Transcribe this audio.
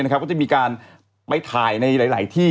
ก็จะมีการไปถ่ายในหลายที่